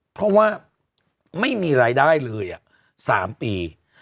เพราะว่าไม่มีรายได้เลย๓ปี